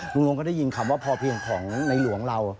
ลุงลงก็ได้ยินคำว่าพอเพียงของในหลวงเรา